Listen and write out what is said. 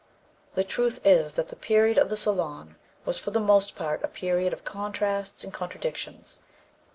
The truth is that the period of the salon was for the most part a period of contrasts and contradictions.